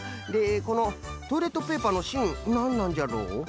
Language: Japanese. でこのトイレットペーパーのしんなんなんじゃろう？